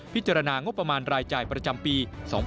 พิจารณางบประมาณรายจ่ายประจำปี๒๕๖๒